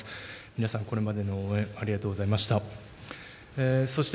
皆さん、これまでの応援、ありがとうございました。